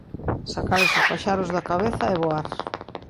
Sacar eses paxaros da cabeza e voar.